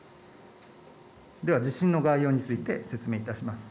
地震の概要について説明いたします。